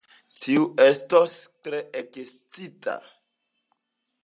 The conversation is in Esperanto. Tiu estos tre ekscita!